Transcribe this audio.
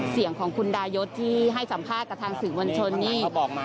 เสียงของคุณดายศที่ให้สัมภาษณ์กับทางสื่อมวลชนนี่